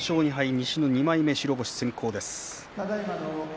西の２枚目、白星先行です。